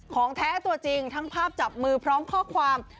ของแท้ตัวจริงทั้งภาพจับมือพร้อมข้อความ